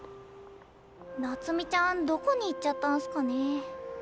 夏美ちゃんどこに行っちゃったんすかね。